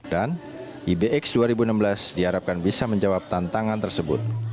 dan ibx dua ribu enam belas diharapkan bisa menjawab tantangan tersebut